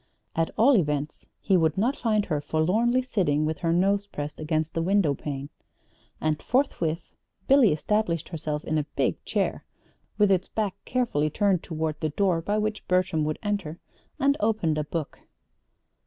At all events he would not find her forlornly sitting with her nose pressed against the window pane! And forthwith Billy established herself in a big chair (with its back carefully turned toward the door by which Bertram would enter), and opened a book.